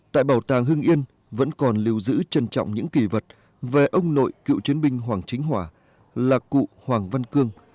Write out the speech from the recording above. tại bảo tàng hưng yên vẫn còn lưu giữ trân trọng những kỷ vật về ông nội cựu chiến binh hoàng chính hòa là cụ hoàng văn cương